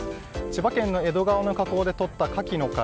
千葉県の江戸川の河口でとったカキの殻